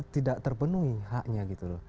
tidak terpenuhi haknya